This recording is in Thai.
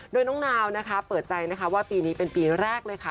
โดยน้องนาวเปิดใจว่าปีนี้เป็นปีแรกเลยค่ะ